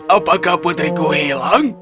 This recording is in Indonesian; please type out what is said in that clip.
apakah putriku hilang